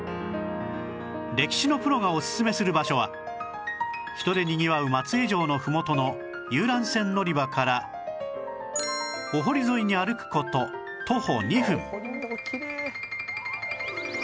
歴史のプロがおすすめする場所は人でにぎわう松江城のふもとの遊覧船乗り場からお堀沿いに歩く事徒歩２分